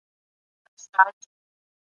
که باران وسي د فیل نښې به له منځه ولاړي سي.